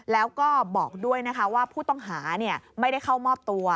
แล้วก็บอกด้วยนะคะว่าผู้ต้องหาไม่ได้เข้ามอบตัว